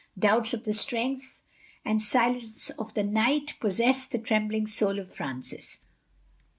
Doubts of the strength and silence of the knife possessed the trembling soul of Francis.